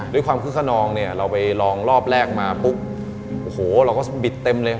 ด้วยความคึกขนองเนี่ยเราไปลองรอบแรกมาปุ๊บโอ้โหเราก็บิดเต็มเลย